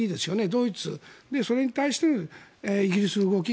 ドイツそれに対するイギリスの動き